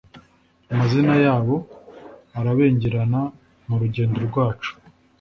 Amazina yabo arabengerana murugendo rwacu